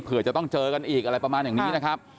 เพื่อจะต้องเจอกันอีกอะไรประมาณอย่างนี้นะครับ